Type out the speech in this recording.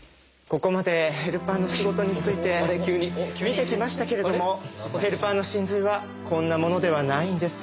ここまでヘルパーの仕事について見てきましたけれどもヘルパーの神髄はこんなものではないんです。